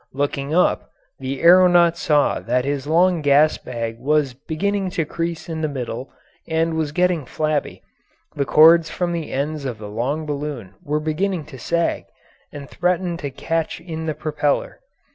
Looking up, the aeronaut saw that his long gas bag was beginning to crease in the middle and was getting flabby, the cords from the ends of the long balloon were beginning to sag, and threatened to catch in the propeller.